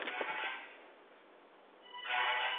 روهیال